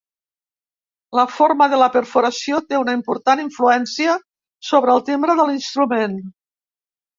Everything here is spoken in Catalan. La forma de la perforació té una important influència sobre el timbre de l'instrument.